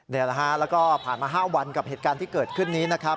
นี่แหละฮะแล้วก็ผ่านมา๕วันกับเหตุการณ์ที่เกิดขึ้นนี้นะครับ